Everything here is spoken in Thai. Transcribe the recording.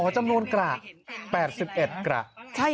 อ๋ออ๋อจำนวนกระแบบสิบเอ็ดกระใช่หรอ